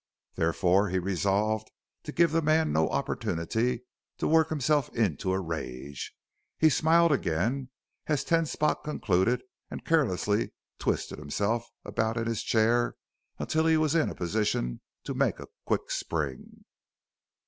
Therefore he resolved to give the man no opportunity to work himself into a rage. He smiled again as Ten Spot concluded and carelessly twisted himself about in his chair until he was in a position to make a quick spring.